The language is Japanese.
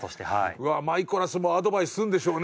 うわっマイコラスもアドバイスするんでしょうね